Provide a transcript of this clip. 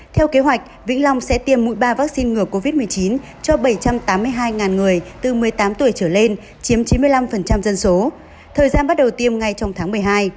theo kế hoạch vĩnh long sẽ tiêm mũi ba vaccine ngừa covid một mươi chín cho bảy trăm tám mươi hai người từ một mươi tám tuổi trở lên chiếm chín mươi năm dân số thời gian bắt đầu tiêm ngay trong tháng một mươi hai